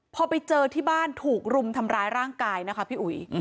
พอไปเจอที่บ้านถูกรุมทำร้ายร่างกายนะคะพี่อุ๋ย